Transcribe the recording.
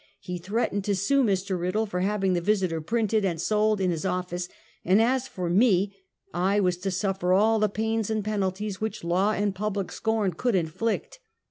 He threatened to sue Mr. Eiddle for having the Visiter printed and sold in his office, and, as for me, I was to suffer all the pains and penalties which law and public scorn could inflict.